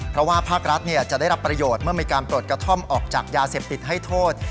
เพราะว่าภาครัฐจะได้รับประโยชน์เมื่อมีการปลดกระท่อมออกจากยาเสพติดให้โทษ